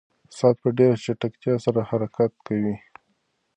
ساعت په ډېرې چټکتیا سره حرکت کوي.